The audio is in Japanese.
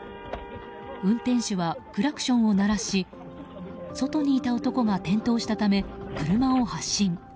運転手はクラクションを鳴らし外にいた男が転倒したため車を発進。